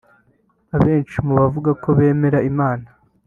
Abenshi mu bavuga ko bemera Imana